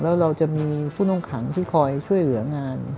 แล้วเราจะมีผู้ต้องขังที่คอยช่วยเหลืองาน